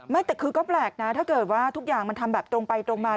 ไม่แต่คือก็แปลกนะถ้าเกิดว่าทุกอย่างมันทำแบบตรงไปตรงมา